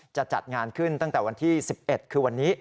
จัดงานขึ้นตั้งแต่วันที่๑๑คือวันนี้